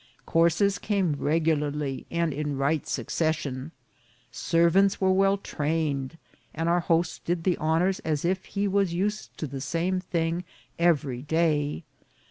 Courses came regularly and in right suc cession. Servants were well trained, and our host did the honours as if he was used to the same thing every day.